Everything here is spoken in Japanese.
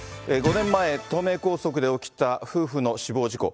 ５年前、東名高速で起きた夫婦の死亡事故。